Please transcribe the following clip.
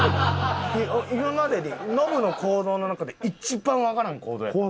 今まででノブの行動の中で一番わからん行動やった。